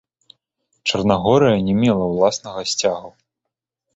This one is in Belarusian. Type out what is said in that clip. Чарнагорыя не мела ўласнага сцягу.